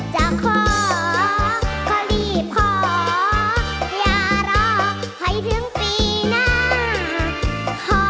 จะขอก็รีบขออย่ารอให้ถึงปีหน้า